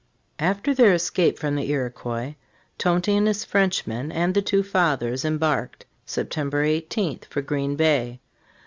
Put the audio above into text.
After their escape from the Iroquois, Tonty and his Frenchmen and the two Fathers embarked, September 18, for Green Bay.